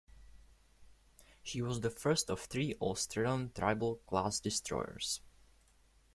She was the first of three Australian Tribal class destroyers.